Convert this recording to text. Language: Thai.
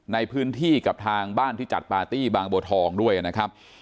ในพื้นที่กับทางบ้านที่จัดปาร์ตี้บางบัวทองด้วยนะครับ